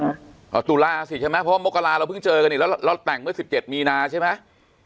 เอาตุลาสิใช่ไหมเพราะว่ามกราเราเพิ่งเจอกันอีกแล้วเราแต่งเมื่อ๑๗มีนาใช่ไหม